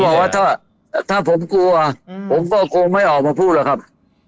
บอกว่าถ้าผมกลัวผมก็คงไม่ออกมาพูดหรอกครับ